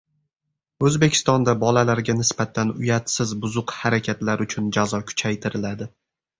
O‘zbekistonda bolalarga nisbatan uyatsiz-buzuq harakatlar uchun jazo kuchaytiriladi